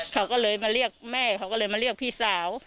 เขาก็เลยมาเรียกแม่เขาก็เลยมาเรียกพี่สาว